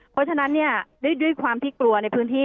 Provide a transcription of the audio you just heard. เพราะฉะนั้นเนี่ยด้วยความที่กลัวในพื้นที่